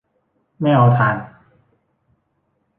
ไม่เอาถ่าน